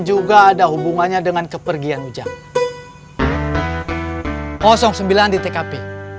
juga ada hubungannya dengan kepergian ujang sembilan di tkp